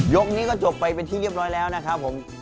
นี้ก็จบไปเป็นที่เรียบร้อยแล้วนะครับผม